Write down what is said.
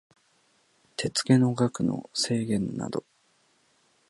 手付の額の制限等